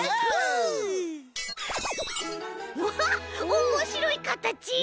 おもしろいかたち。